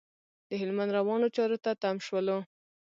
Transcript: د هلمند روانو چارو ته تم شولو.